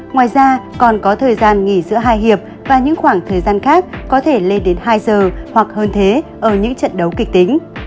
ngoài ra còn có thời gian nghỉ giữa hai hiệp và những khoảng thời gian khác có thể lên đến hai giờ hoặc hơn thế ở những trận đấu kịch tính